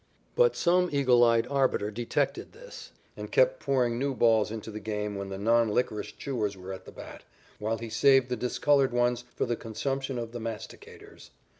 But some eagle eyed arbiter detected this, and kept pouring new balls into the game when the non licorice chewers were at the bat, while he saved the discolored ones for the consumption of the masticators.